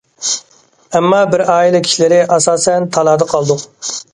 ئەمما بىر ئائىلە كىشىلىرى ئاساسەن تالادا قالدۇق.